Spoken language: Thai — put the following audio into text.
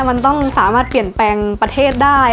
มันต้องสามารถเปลี่ยนแปลงประเทศได้